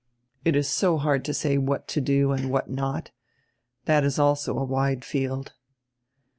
It is so hard to say what to do and what not. That is also a wide field."